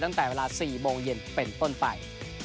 ตั้งแต่เวลา๔โมงเย็นเป็นต้นไป